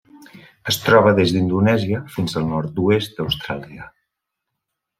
Es troba des d'Indonèsia fins al nord-oest d'Austràlia.